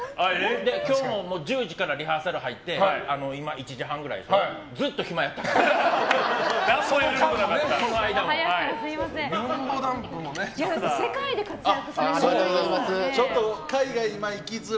今日も１０時からリハーサルに入って今、１時半くらいでずっと暇やったから。